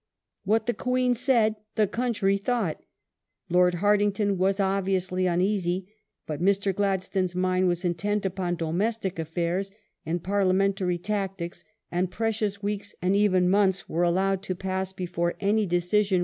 ^ What the Queen said the country thought. Lord Hartington Gordon at was obviously uneasy, but Mr. Gladstone's mind was intent upon Khartoum domestic affairs and parliamentary tactics, and precious weeks and even months were allowed to pass before any decision was arrived ^ Cromer, op.